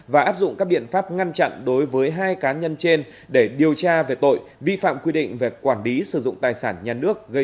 và áp dụng các biện pháp ngăn chặn đối với hai cá nhân trên để điều tra về tội vi phạm quy định về quản lý sử dụng tài sản nhà nước